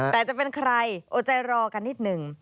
แต่จะเป็นใครโอใจรอกันนิดหนึ่ง